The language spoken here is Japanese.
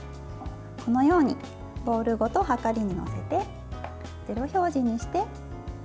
このようにボウルごとはかりに載せて、０表示にして。